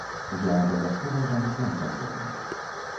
Я абавязкова дам знаць аб гэтым.